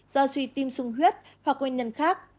do suy tim sung huyết hoặc nguyên nhân khác